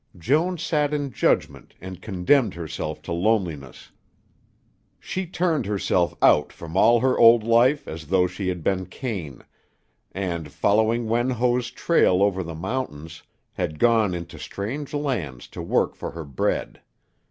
Joan sat in judgment and condemned herself to loneliness. She turned herself out from all her old life as though she had been Cain, and, following Wen Ho's trail over the mountains, had gone into strange lands to work for her bread.